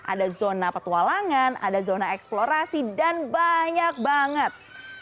ada zona petualangan ada zona eksplorasi dan banyak banget